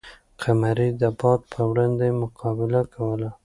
قمري د باد په وړاندې مقابله کوله.